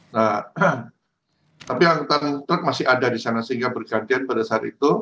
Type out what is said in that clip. nah tapi angkutan truk masih ada di sana sehingga bergantian pada saat itu